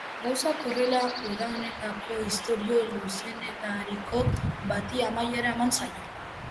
Gauzak horrela, uda honetako istorio luzeenetariko bati amaiera eman zaio.